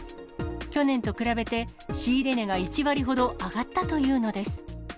去年と比べて、仕入れ値が１割ほど上がったというのです。